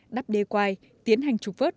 đắp đê quai tiến hành trục vớt